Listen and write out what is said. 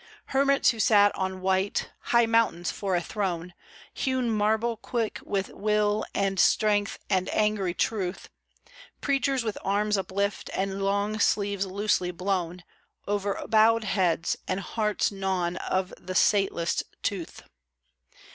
Hermits who sat on white, high mountains for a throne; Hewn marble quick with will, and strength, and angry truth; Preachers with arms uplift and long sleeves loosely blown Over bowed heads, and hearts gnawn of the sateless tooth.